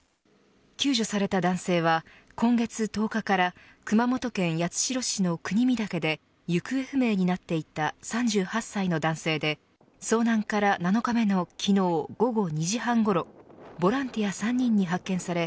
救助された男性は今月１０日から熊本県八代市の国見岳で行方不明になっていた３８歳の男性で遭難から７日目の昨日午後２時半ごろボランティア３人に発見され